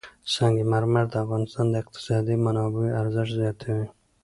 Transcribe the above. سنگ مرمر د افغانستان د اقتصادي منابعو ارزښت زیاتوي.